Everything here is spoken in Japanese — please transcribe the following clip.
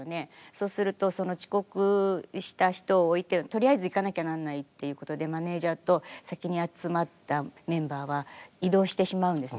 そうするとその遅刻した人を置いてとりあえず行かなきゃなんないっていうことでマネージャーと先に集まったメンバーは移動してしまうんですね。